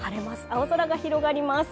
青空が広がります。